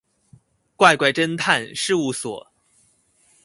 怪怪偵探事務所